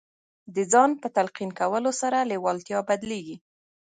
د ځان په تلقین کولو سره لېوالتیا بدلېږي